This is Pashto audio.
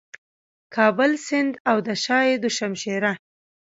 کابل سیند او د شاه دو شمشېره